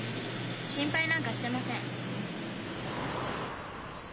心配なんかしてません。